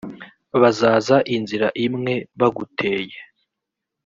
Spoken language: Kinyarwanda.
bazaza inzira imwe baguteye,